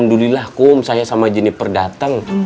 um saya sama jeniper dateng